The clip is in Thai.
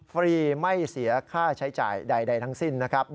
ฟรีไม่เสียค่าใช้จ่ายใดทั้งสิ้นนะครับ